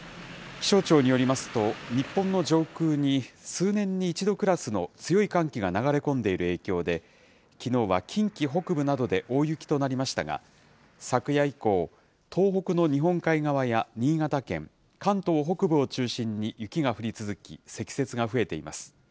気象庁によりますと、日本の上空に数年に一度クラスの強い寒気が流れ込んでいる影響で、きのうは近畿北部などで大雪となりましたが、昨夜以降、東北の日本海側や新潟県、関東北部を中心に雪が降り続き、積雪が増えています。